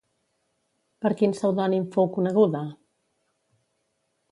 Per quin pseudònim fou coneguda?